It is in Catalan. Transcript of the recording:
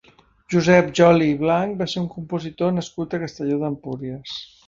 Josep Joli i Blanch va ser un compositor nascut a Castelló d'Empúries.